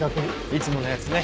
いつものやつね。